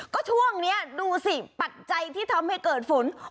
ก็ช่วงนี้ดูสิปัจจัยที่ทำให้เกิดฝน